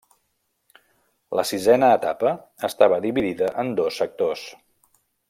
La sisena etapa estava dividida en dos sectors.